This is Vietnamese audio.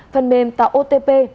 phần mềm tạo otp